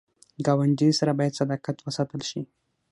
ګاونډي سره باید صداقت وساتل شي